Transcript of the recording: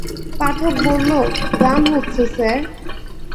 পাঠক বলল, গান হচ্ছে স্যার।